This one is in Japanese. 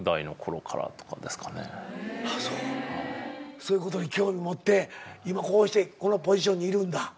そういうことに興味持って今こうしてこのポジションにいるんだ。